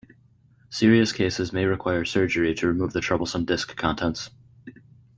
Serious cases may require surgery to remove the troublesome disk contents.